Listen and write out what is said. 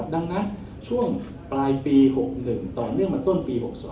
ดังนั้นช่วงปลายปี๖๑ต่อเนื่องมาต้นปี๖๒